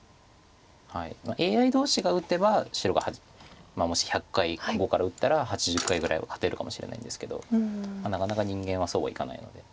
まあＡＩ同士が打てば白がもし１００回ここから打ったら８０回ぐらいは勝てるかもしれないんですけどなかなか人間はそうはいかないので。